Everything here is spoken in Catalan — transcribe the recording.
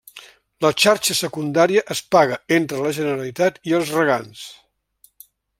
La xarxa secundària es paga entre la Generalitat i els regants.